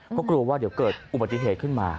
เพราะกลัวว่าเดี๋ยวเกิดอุบัติเหตุขึ้นมา